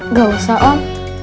nggak usah om